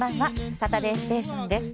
「サタデーステーション」です。